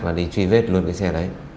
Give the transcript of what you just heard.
và đi truy vết luôn cái xe đấy